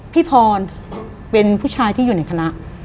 พี่พรเป็นผู้ชายที่อยู่ในคณะ